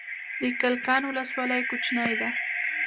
د کلکان ولسوالۍ کوچنۍ ده